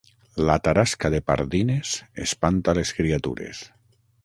La tarasca de Pardines espanta les criatures